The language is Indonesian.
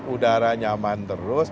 udara nyaman terus